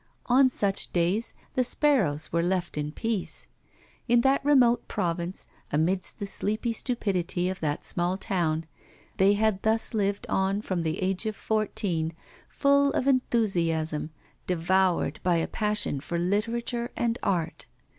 On such days the sparrows were left in peace. In that remote province, amidst the sleepy stupidity of that small town, they had thus lived on from the age of fourteen, full of enthusiasm, devoured by a passion for literature and art.